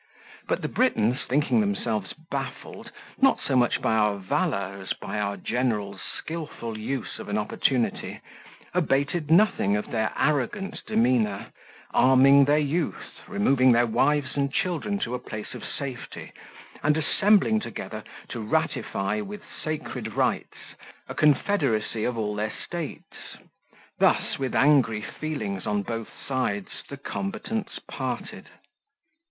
But the Britons thinking themselves baffled, not so much by our valour as by our general's skilful use of an opportunity, abated nothing of their arrogant demeanour, arming their youth, removing their wives and children to a place of safety, and assembling together to ratify, with sacred rites, a confederacy of all their states. Thus, with angry feelings on both sides, the combatants parted.